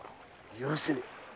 許せねえ。